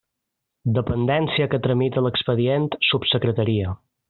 Dependència que tramita l'expedient: subsecretaria.